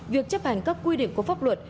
việc chấp hành các quy định của pháp luật